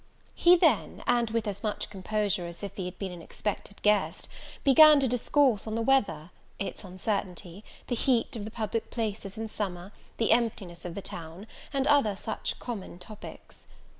He then, and with as much composure as if he had been an expected guest, began to discourse on the weather, its uncertainty, the heat of the public places in summer, the emptiness of the town, and other such common topics.